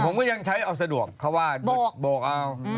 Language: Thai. ผมก็ยังใช้สะดวกเขาบอกครับ